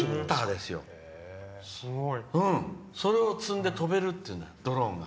それを積んで飛べるっていうんだ、ドローンが。